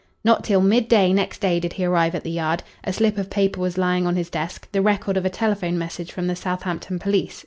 Not till midday next day did he arrive at the Yard. A slip of paper was lying on his desk the record of a telephone message from the Southampton police.